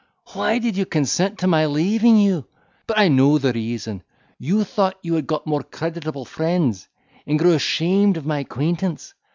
Why did you consent to my leaving you?—but I know the reason—you thought you had got more creditable friends, and grew ashamed of my acquaintance.